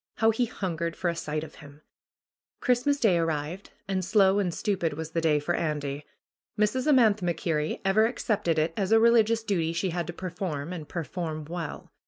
How he hungered for a sight of him ! Christmas Day arrived, and slow and stupid was the day for Andy. Mrs. Amantha MacKerrie ever accepted it as a religious duty she had to perform, and perform well.